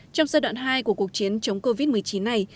trong giai đoạn hai của cuộc chiến chống covid một mươi chín này